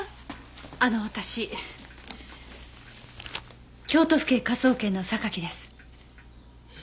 あの私京都府警科捜研の榊です。